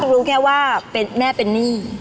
รู้แค่ว่าแม่เป็นหนี้